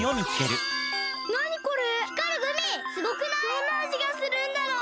どんなあじがするんだろう？